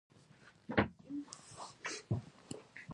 دې مهمې ټولګې ته د تولید وسایل ویل کیږي.